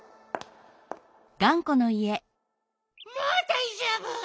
もうだいじょうぶ！